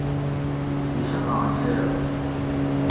عشقاں شعر: